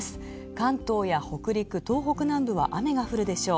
関東や北陸、東北南部は雨が降るでしょう。